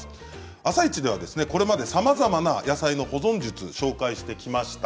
「あさイチ」ではこれまでさまざまな野菜の保存術紹介してきました。